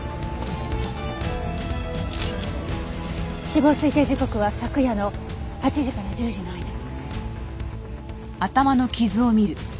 死亡推定時刻は昨夜の８時から１０時の間。